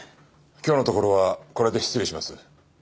今日のところはこれで失礼します。